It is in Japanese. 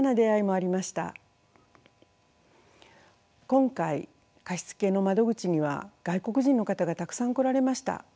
今回貸し付けの窓口には外国人の方がたくさん来られました。